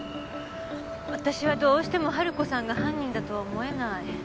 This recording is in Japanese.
私はどうしても春子さんが犯人だとは思えない。